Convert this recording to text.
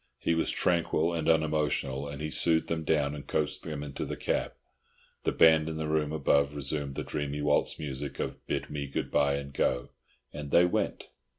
He was tranquil and unemotional, and he soothed them down and coaxed them into the cab. The band in the room above resumed the dreamy waltz music of "Bid me Good bye and go!" and they went.